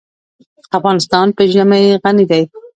افغانستان په ژمی غني دی.